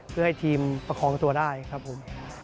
เพื่อให้ทีมประคองตัวได้ครับผม